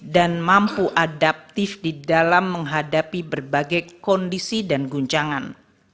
dan mampu adaptif di dalam menghadapi berbagai kondisi dan guncangan